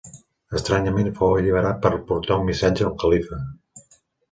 Estranyament fou alliberat per portar un missatge al califa.